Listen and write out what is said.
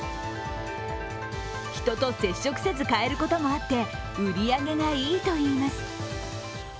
人と接触せず買えることもあって売り上げがいいといいます。